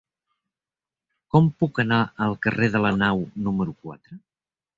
Com puc anar al carrer de la Nau número quatre?